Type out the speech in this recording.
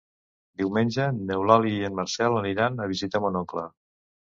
Diumenge n'Eulàlia i en Marcel aniran a visitar mon oncle.